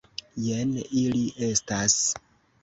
Jen ili estas.